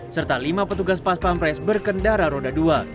serta lima petugas pas pampres berkendara roda dua